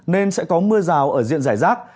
nên sẽ có mưa rào ở diện rải rác